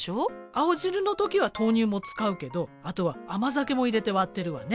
青汁の時は豆乳も使うけどあとは甘酒も入れて割ってるわね。